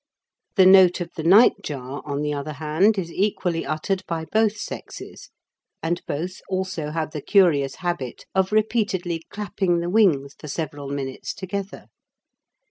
The note of the nightjar, on the other hand, is equally uttered by both sexes, and both also have the curious habit of repeatedly clapping the wings for several minutes together.